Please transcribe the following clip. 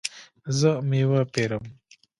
زه میوه پیرم